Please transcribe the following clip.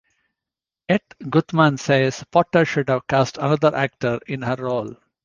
Yet, Guthmann says Potter should have cast another actor in her role.